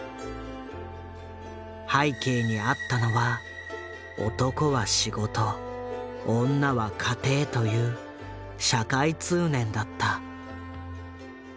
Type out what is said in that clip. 背景にあったのは「男は仕事女は家庭」という社会通念だった。